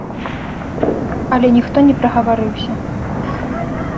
Але ніхто не прагаварыўся.